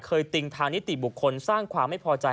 ติงทางนิติบุคคลสร้างความไม่พอใจ